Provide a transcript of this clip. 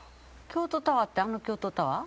京都タワーってあの京都タワー？